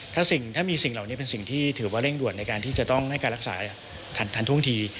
ถ้ามีสิ่งเหล่านี้เป็นสิ่งที่ถือว่าเร่งด่วนในการที่จะต้องให้การรักษาทันท่วงที